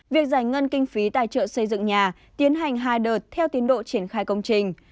việc giải ngân kinh phí tài trợ xây dựng nhà tiến hành hai đợt theo tiến độ triển khai công trình